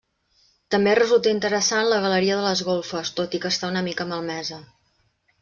També resulta interessant la galeria de les golfes, tot i que està una mica malmesa.